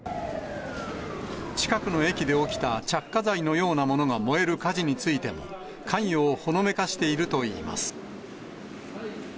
近くの駅で起きた着火剤のようなものが燃える火事についても、関与をほのめかしているといいます。